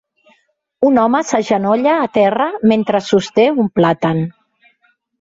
Un home s'agenolla a terra mentre sosté un plàtan.